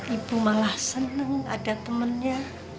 ibu malah seneng ada temennya